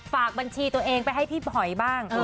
ฝากบัญชีตัวเองไปให้พี่หอยบ้าง